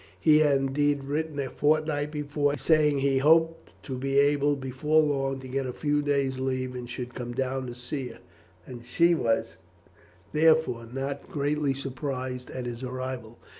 He had indeed written a fortnight before, saying he hoped to be able before long to get a few days' leave and should come down to see her, and she was therefore not greatly surprised at his arrival.